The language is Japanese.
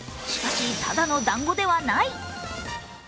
しかし、ただの団子ではない。